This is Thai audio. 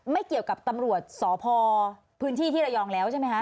ไม่เกี่ยวกับตำรวจสพพื้นที่ที่ระยองแล้วใช่ไหมคะ